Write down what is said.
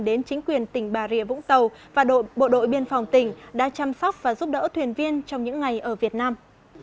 đến chính quyền tỉnh bà rịa vũng tàu và bộ đội biên phòng tỉnh đã chăm sóc và giúp đỡ thuyền viên trong những ngày ở việt nam